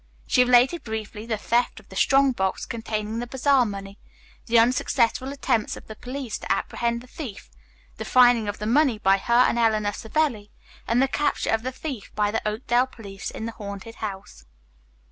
She related briefly the theft of the strong box containing the bazaar money, the unsuccessful attempts of the police to apprehend the thief, the finding of the money by her and Eleanor Savelli and the capture of the thief by the Oakdale police in the haunted house.